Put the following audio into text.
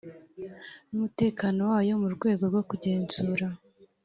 n umutekano wayo mu rwego rwo kugenzura